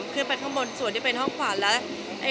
คือเป็นข้างบนส่วนที่เป็นห้องขวัญ